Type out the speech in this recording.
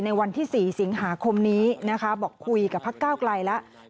ในวันที่๔สิงหาคมนี้นะคะบอกคุยกับพักก้าวไกลแล้ว